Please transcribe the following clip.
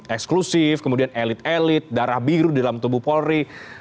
eksklusif kemudian elit elit darah biru di dalam tubuh polri